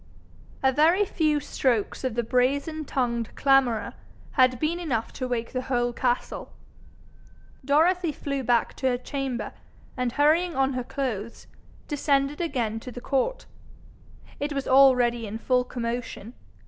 A very few strokes of the brazen tongued clamourer had been enough to wake the whole castle. Dorothy flew back to her chamber, and hurrying on her clothes, descended again to the court. It was already in full commotion.